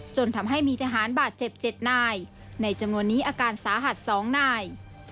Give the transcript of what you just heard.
จนทำให้มีทหารบาดเจ็บ๗นายในจำนวนนี้อาการสาหัส๒นาย